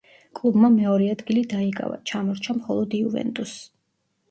კლუბმა მეორე ადგილი დაიკავა, ჩამორჩა მხოლოდ იუვენტუსს.